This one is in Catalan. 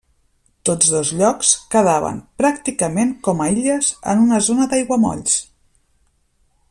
Tots dos llocs quedaven pràcticament com a illes en una zona d'aiguamolls.